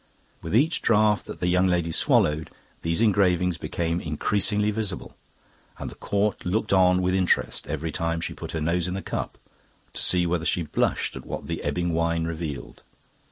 With each draught that the young lady swallowed these engravings became increasingly visible, and the Court looked on with interest, every time she put her nose in the cup, to see whether she blushed at what the ebbing wine revealed.